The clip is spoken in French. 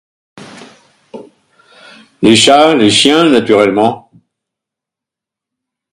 Les chats, les chiens naturellement.